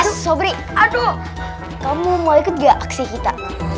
terus sobri aduh kamu mau ikut gak aksi kita